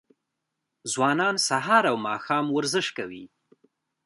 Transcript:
ځوانان سهار او ماښام ورزش کوي.